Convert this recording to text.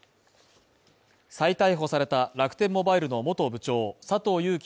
再逮捕された楽天モバイルの元部長佐藤友紀